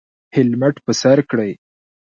هیلمټ په سر کړئ